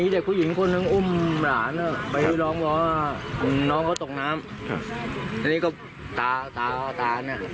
แถวบริเวณนี้ค่ะ